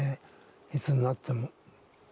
いつになっても。